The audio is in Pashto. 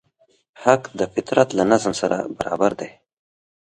حق د فطرت له نظم سره برابر دی.